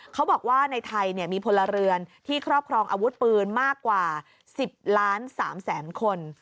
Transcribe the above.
เขาบอกว่าในไทยมีพลเรือนที่ครอบครองอาวุธปืนมากกว่า๑๐ล้าน๓แสนคน